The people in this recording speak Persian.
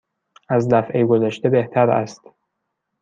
از دفعه گذشته بهتر است.